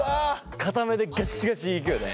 硬めでガッシガシいくよね。